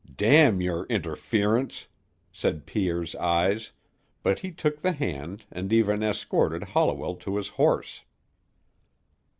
"Damn your interference!" said Pierre's eyes, but he took the hand and even escorted Holliwell to his horse.